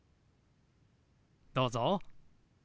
どうぞ。